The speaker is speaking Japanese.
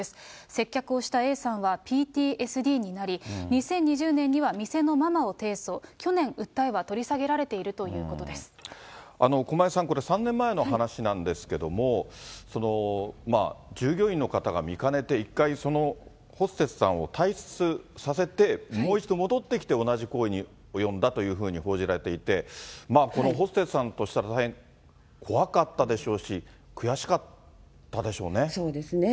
接客をしたＡさんはＰＴＳＤになり、２０２０年には店のママを提訴、去年、訴えは取り下げられている駒井さん、これ、３年前の話なんですけれども、従業員の方が見かねて、一回そのホステスさんを退室させて、もう一度戻ってきて同じ行為に及んだというふうに報じられていて、このホステスさんとしたら大変怖かったでしょうし、悔しかったでしょうね。